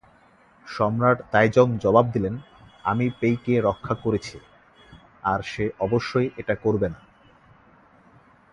সম্রাট তাইজং জবাব দিলেন, আমি পেইকে রক্ষা করেছি, আর সে অবশ্যই এটা করবে না।